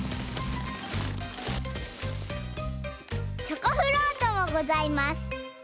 チョコフロートもございます！